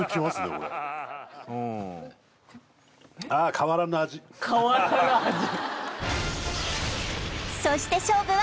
俺ああ変わらぬ味変わらぬ味